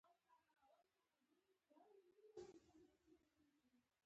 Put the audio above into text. کوربه د سوغات نیت نه غواړي.